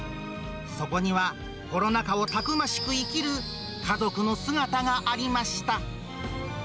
そこには、コロナ禍をたくましく生きる、家族の姿がありました。